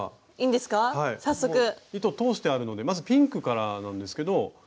糸通してあるのでまずピンクからなんですけど。